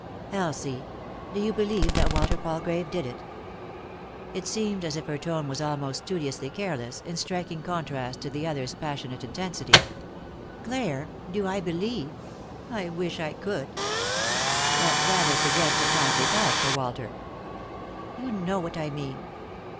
" Elsie, do you believe that Walter Palgrave did it ?" It seemed as if her tone was almost studiously careless, in striking contrast to the other's passionate intensity. " Clare I Do I believe ! I wish I could 1 " "That rather suggests a kindly thought for Walter." "You know what I mean."